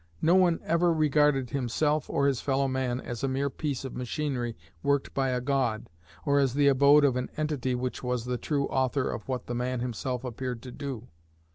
No one ever regarded himself or his fellow man as a mere piece of machinery worked by a god, or as the abode of an entity which was the true author of what the man himself appeared to do.